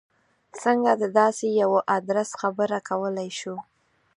څنګه د داسې یوه ادرس خبره کولای شو.